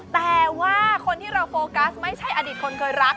แต่ว่าคนที่เราโฟกัสไม่ใช่อดีตคนเคยรัก